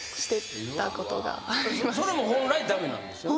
それも本来駄目なんですよね？